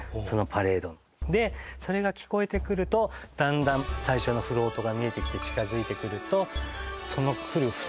そのパレードのでそれが聞こえてくるとだんだん最初のフロートが見えてきて近づいてくるとその来る